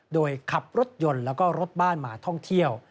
โดยขับรถยนต์แล้วก็รถบ้านมาท่องเที่ยว